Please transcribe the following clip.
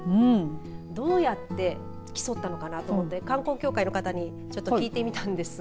どうやって競ったのかなと思って観光協会の方にちょっと聞いてみたんですが。